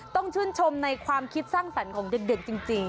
ต้องชื่นชมในความคิดสร้างสรรค์ของเด็กจริง